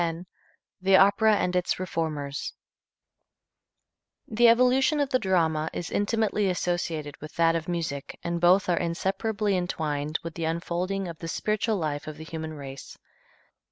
X The Opera and Its Reformers The evolution of the drama is intimately associated with that of music and both are inseparably entwined with the unfolding of the spiritual life of the human race.